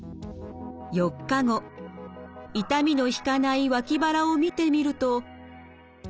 ４日後痛みの引かない脇腹を見てみると。